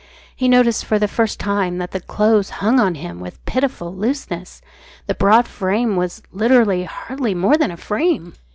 He noticed for the first time that the clothes hung on him with pitiful looseness. The broad frame was literally hardly more than a frame.